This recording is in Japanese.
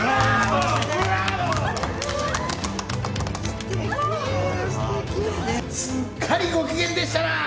すっかりご機嫌でしたな。